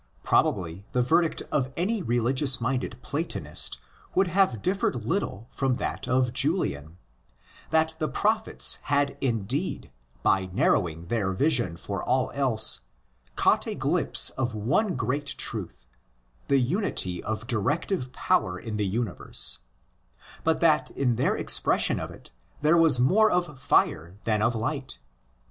Probably the verdict of any religious minded Platonist would have differed little from that of Julian: that the prophets had indeed, by narrowing their vision for all else, caught a glimpse of one great truth—the unity of directive power in the universe—but that in their expression of it there was more of fire than of light.